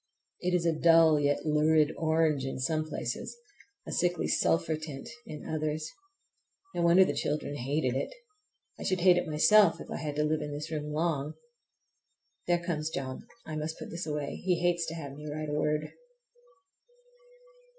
It is a dull yet lurid orange in some places, a sickly sulphur tint in others. No wonder the children hated it! I should hate it myself if I had to live in this room long. There comes John, and I must put this away,—he hates to have me write a word.